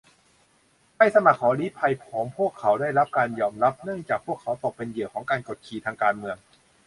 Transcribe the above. ใบสมัครขอลี้ภัยของพวกเขาได้รับการยอมรับเนื่องจากพวกเขาตกเป็นเหยื่อของการกดขี่ทางการเมือง